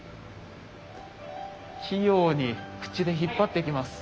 器用に口で引っ張っていきます。